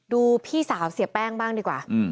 พี่สาวเสียแป้งบ้างดีกว่า